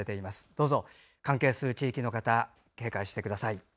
どうぞ関係する地域の方警戒してください。